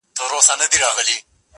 ددې خاوري هزاره ترکمن زما دی٫